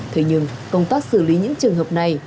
thế nhưng công tác xử lý những trường hợp này